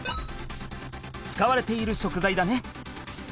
使われている食材だね。